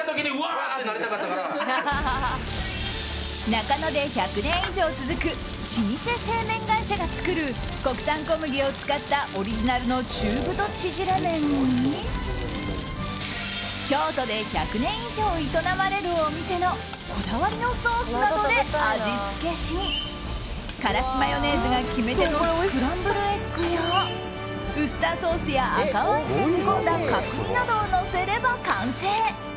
中野で１００年以上続く老舗製麺会社が作る国産小麦を使ったオリジナルの中太ちぢれ麺に京都で１００年以上営まれるお店のこだわりのソースなどで味付けしからしマヨネーズが決め手のスクランブルエッグやウスターソースや赤ワインで煮込んだ角煮などをのせれば完成。